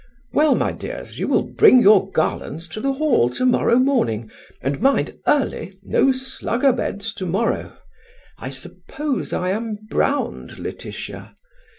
Well, my dears, you will bring your garlands to the Hall to morrow morning; and mind, early! no slugabeds tomorrow; I suppose I am browned, Laetitia?"